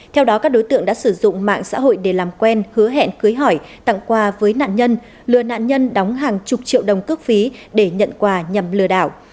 theo đó các đối tượng đã sử dụng mạng xã hội để làm quen hứa hẹn cưới hỏi tặng quà với nạn nhân lừa nạn nhân đóng hàng chục triệu đồng cước phí để nhận quà nhằm lừa đảo